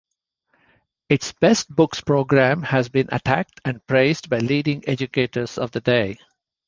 Its best-books program has been attacked and praised by leading educators of the day.